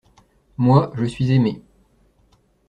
Moi, je suis aimé.